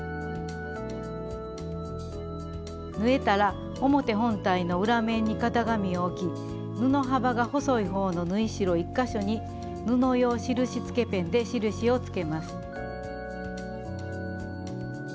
縫えたら表本体の裏面に型紙を置き布幅が細い方の縫い代１か所に布用印つけペンで印をつけます。